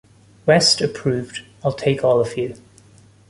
West approved, I'll take all of you.